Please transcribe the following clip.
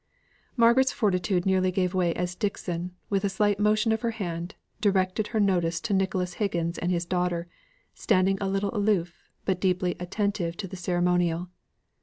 Margaret's fortitude nearly gave way as Dixon, with a slight motion of her hand, directed her notice to Nicholas Higgins and his daughter, standing a little aloof, but deeply attentive to the ceremonial.